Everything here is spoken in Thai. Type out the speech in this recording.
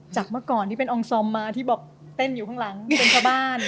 จากเมื่อก่อนที่เป็นองค์ซอมมาที่บอกเต้นอยู่ข้างหลังเต้นทะบ้าน